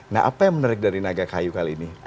nah apa yang menarik dari naga kayu kali ini